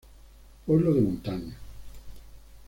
Pueblo de montaña.